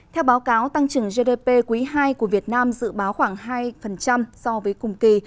theo báo cáo tăng trưởng gdp quý ii của việt nam dự báo khoảng hai so với cùng kỳ